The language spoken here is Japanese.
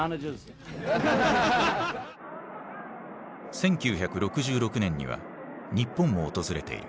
１９６６年には日本を訪れている。